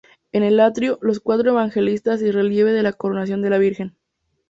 En el atrio, los cuatro Evangelistas y relieve de la Coronación de la Virgen.